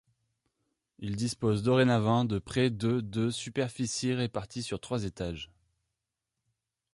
Il dispose dorénavant de près de de superficie répartis sur trois étages.